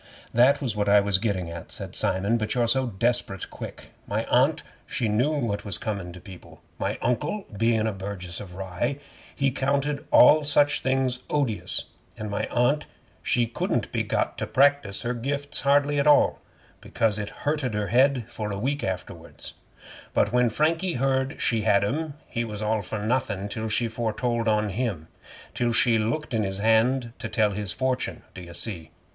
'That was what I was gettin' at,' said Simon, 'but you're so desperate quick. My Aunt she knew what was comin' to people. My Uncle being a burgess of Rye, he counted all such things odious, and my Aunt she couldn't be got to practise her gifts hardly at all, because it hurted her head for a week after wards; but when Frankie heard she had 'em, he was all for nothin' till she foretold on him till she looked in his hand to tell his fortune, d'ye see?